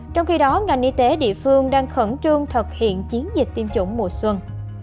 trong khi đó ngành y tế địa phương đang khẩn trương thực hiện chiến dịch tiêm chủng mùa xuân